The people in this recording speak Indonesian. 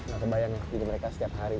gak kebayang ya hidup mereka setiap hari